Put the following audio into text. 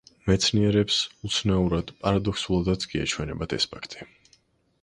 მეცნიერებს უცნაურად, პარადოქსულადაც კი ეჩვენათ ეს ფაქტი.